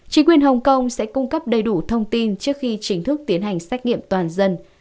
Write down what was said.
chính quyền hồng kông sẽ cung cấp đầy đủ thông tin trước khi chính thức tiến hành xét nghiệm toàn dân